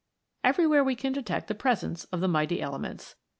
Everywhere can we detect the presence of the mighty elements.